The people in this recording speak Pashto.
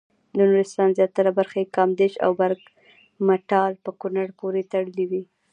د نورستان زیاتره برخې کامدېش او برګمټال په کونړ پورې تړلې وې.